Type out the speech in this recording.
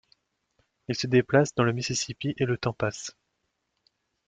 Ils se déplacent dans le Mississippi et le temps passe.